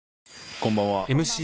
こんばんは。